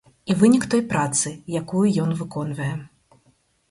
І вынік той працы, якую ён выконвае.